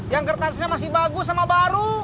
yang kertasnya masih bagus sama baru